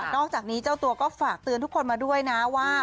อกจากนี้เจ้าตัวก็ฝากเตือนทุกคนมาด้วยนะว่า